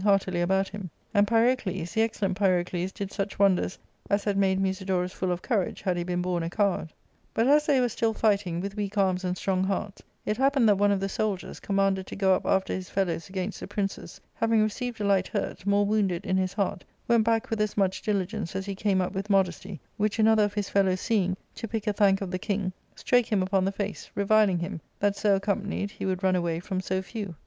heartily about him ; and Pyrocles, the excellent Pyrocles did such wonders as had made Musidorus full of courage had he been born a coward. " But as they were still fighting, with weak arms and strong hearts, it happened that one of the soldiers, commanded to go up after his fellows against the princes, having received a light hurt, more wounded in his heart, went back with as much diligence as he came up with modesty, which another of his fellows seeing, to pick a thank of the king, strake him upon the face, reviling him, that so accompanied he would run away from so few.